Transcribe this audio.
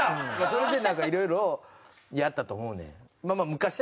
それでなんか色々やったと思うねん。